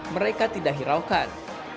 mereka tidak hiraukan